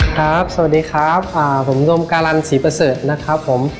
สวัสดีครับผมดวงการันศรีประเสริฐนะครับผม